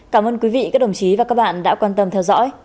cảm ơn quý vị các đồng chí và các bạn đã quan tâm theo dõi